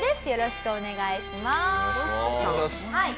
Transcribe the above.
よろしくお願いします。